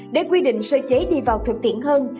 để quy định sơ chế đi vào thực tiện hơn